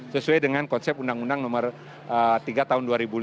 sesuai dengan konsep undang undang nomor tiga tahun dua ribu lima belas